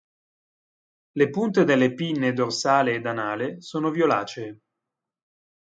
Le punte delle pinne dorsale ed anale sono violacee.